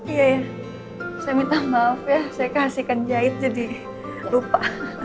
iya ya saya minta maaf ya saya kasihkan jahit jadi lupa